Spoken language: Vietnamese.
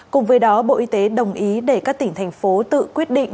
cùng với đó bộ y tế đồng ý để các tỉnh thành phố tự quyết định